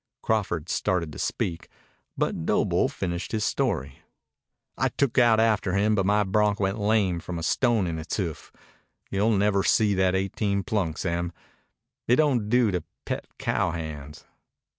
Crawford started to speak, but Doble finished his story. "I took out after him, but my bronc went lame from a stone in its hoof. You'll never see that eighteen plunks, Em. It don't do to pet cowhands."